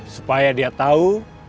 supaya dia tahu